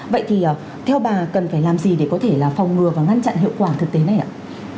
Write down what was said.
vậy thì theo bà cần phải làm gì để có thể là phòng ngừa và ngăn chặn hiệu quả thực tế này ạ